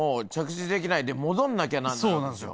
そうなんですよ。